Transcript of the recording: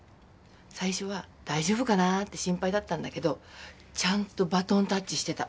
最初は大丈夫かなって心配だったんだけどちゃんとバトンタッチしてた。